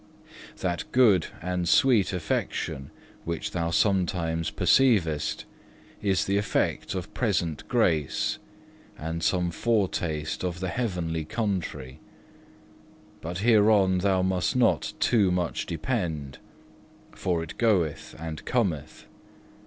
That good and sweet affection which thou sometimes perceivest is the effect of present grace and some foretaste of the heavenly country; but hereon thou must not too much depend, for it goeth and cometh.